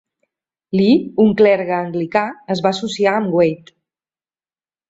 Lee, un clergue anglicà, es va associar amb Waite.